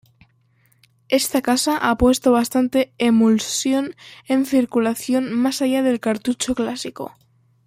Esta casa ha puesto bastante emulsión en circulación más allá del cartucho clásico.